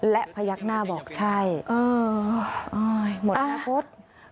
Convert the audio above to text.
และพยักหน้าบอกใช่หมดแล้วครับครับ